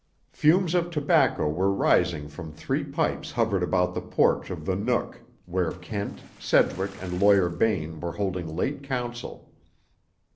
Fumes of tobacco were rising from three pipes hovered about the porch of the Nook where Kent, Sedgwick and Lawyer Bain were holding late council.